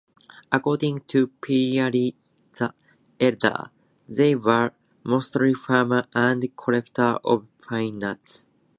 According to Pliny the Elder, they were mostly farmers and collectors of pine nuts.